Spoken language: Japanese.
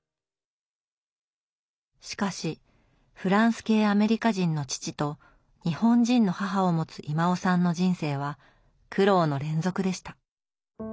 しかしフランス系アメリカ人の父と日本人の母を持つ威馬雄さんの人生は苦労の連続でした。